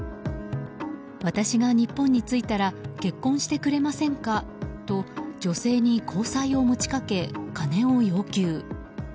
私が日本に着いたら結婚してくれませんかと女性に交際を持ち掛け金を要求。